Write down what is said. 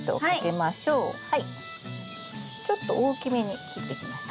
ちょっと大きめに切ってきました。